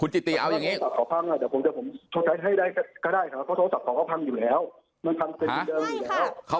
พี่พูดแบบนี้ครับ